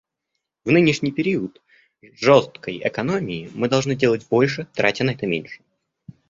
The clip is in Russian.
В нынешний период жесткой экономии мы должны делать больше, тратя на это меньше.